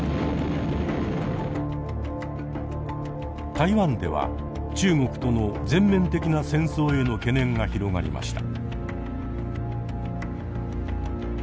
台湾では中国との全面的な戦争への懸念が広がりました。